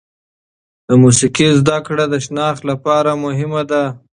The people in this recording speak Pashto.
د موسیقي زده کړه د شناخت لپاره مهمه ده.